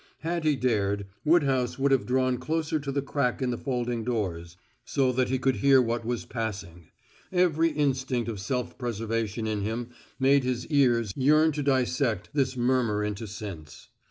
Had he dared, Woodhouse would have drawn closer to the crack in the folding doors so that he could hear what was passing; every instinct of self preservation in him made his ears yearn to dissect this murmur into sense.